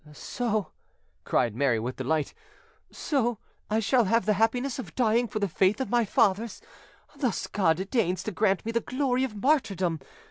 "So," cried Mary with delight, "so I shall have the happiness of dying for the faith of my fathers; thus God deigns to grant me the glory of martyrdom.